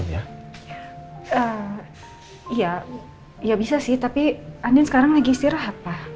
ya bisa sih tapi andin sekarang lagi istirahat apa